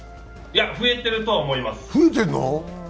いや、増えているとは思います。